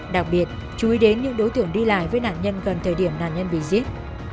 đặc biệt chú ý đến những đối tượng đi lại với nạn nhân gần thời điểm nạn nhân bị giết